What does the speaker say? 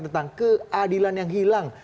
tentang keadilan yang hilang